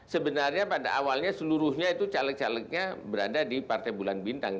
sebenarnya pada awalnya seluruhnya itu caleg calegnya berada di partai bulan bintang